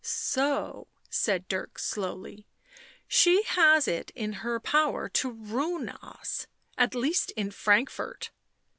" So," said Dirk slowly, " she has it in her power to ruin us— at least in Frankfort."